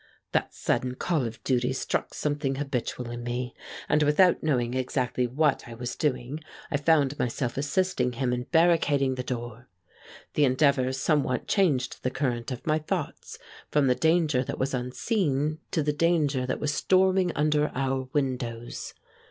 That sudden call of duty struck something habitual in me, and, without knowing exactly what I was doing, I found myself assisting him in barricading the door. The endeavor somewhat changed the current of my thoughts from the danger that was unseen to the danger that was storming under our windows.